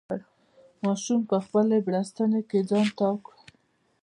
ماشوم په خپلې بړستنې کې ځان تاو کړ.